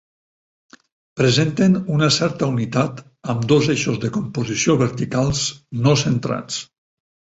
Presenten una certa unitat amb dos eixos de composició verticals, no centrats.